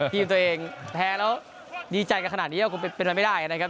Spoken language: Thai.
ทีมตัวเองแพ้แล้วดีใจกันขนาดนี้ก็คงเป็นไปไม่ได้นะครับ